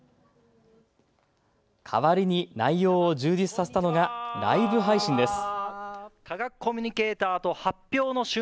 代わりに内容を充実させたのがライブ配信です。